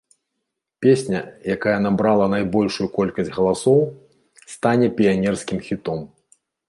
Песня, якая набрала найбольшую колькасць галасоў, стане піянерскім хітом.